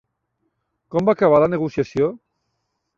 Com va acabar la negociació?